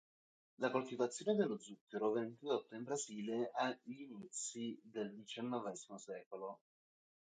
La coltivazione dello zucchero venne introdotta in Brasile gli inizi del diciassettesimo secolo.